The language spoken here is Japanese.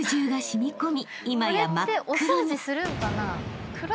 今や真っ黒に］